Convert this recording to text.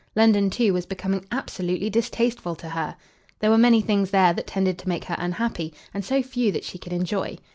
London, too, was becoming absolutely distasteful to her. There were many things there that tended to make her unhappy, and so few that she could enjoy!